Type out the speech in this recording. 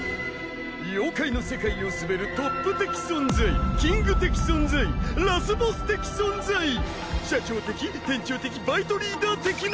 妖怪の世界を統べるトップ的存在キング的存在ラスボス的存在！社長的店長的バイトリーダー的な。